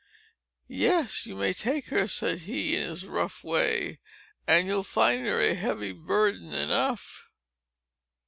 "Yes—you may take her," said he, in his rough way; "and you'll find her a heavy burden enough!"